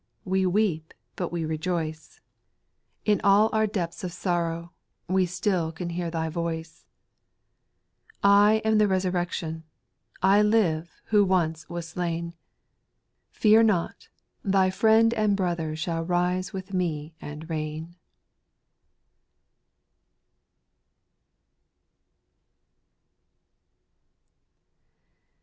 We weep, but we rejoice ; 430 SPIRITUAL SONGS. In all our depths of sorrow, We still can hear Thy voice ;—" I am the resurrection ; I live, who once was slain ; Fear not, thy friend and brother Shall rise with Me and reign."